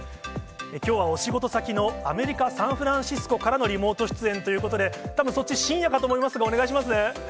きょうはお仕事先のアメリカ・サンフランシスコからのリモート出演ということで、たぶんそちら、深夜ということですが、お願いします。